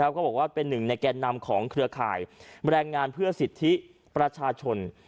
ก็บอกว่าเป็นหนึ่งในแก่นำของเครือข่ายแรงงานเพื่อสิทธิประชาชน